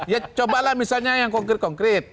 ya cobalah misalnya yang konkret konkret